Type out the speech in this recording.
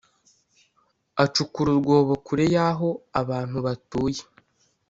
Acukura urwobo kure y aho abantu batuye